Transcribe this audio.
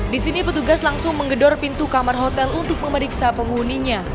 di sini petugas langsung menggedor pintu kamar hotel untuk memeriksa penghuninya